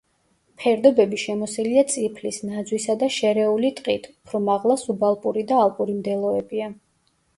ფერდობები შემოსილია წიფლის, ნაძვისა და შერეული ტყით, უფრო მაღლა სუბალპური და ალპური მდელოებია.